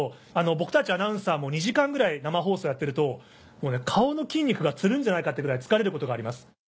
僕たちアナウンサーも２時間ぐらい生放送をやってると顔の筋肉がつるんじゃないかってぐらい疲れることがあります。